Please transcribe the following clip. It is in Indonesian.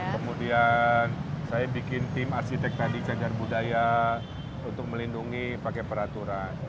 kemudian saya bikin tim arsitek tadi cagar budaya untuk melindungi pakai peraturan